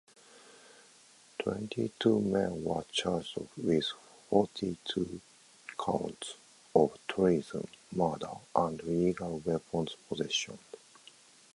Twenty-two men were charged with forty-two counts of treason, murder, and illegal weapons possession.